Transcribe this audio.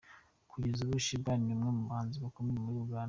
Kugeza ubu Sheebah ni umwe mu bahanzi bakomeye muri Uganda.